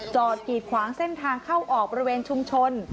กีดขวางเส้นทางเข้าออกบริเวณชุมชน